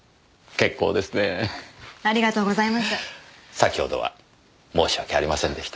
先ほどは申し訳ありませんでした。